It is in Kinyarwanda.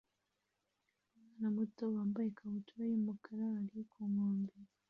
Umwana muto wambaye ikabutura yumukara ari ku nkombe